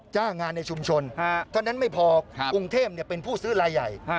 จ้างงานในชุมชนเท่านั้นไม่พอกรุงเทพเป็นผู้ซื้อลายใหญ่